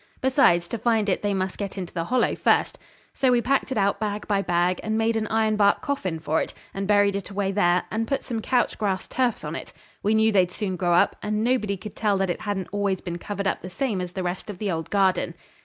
Besides, to find it they must get into the Hollow first. So we packed it out bag by bag, and made an ironbark coffin for it, and buried it away there, and put some couch grass turfs on it. We knew they'd soon grow up, and nobody could tell that it hadn't always been covered up the same as the rest of the old garden.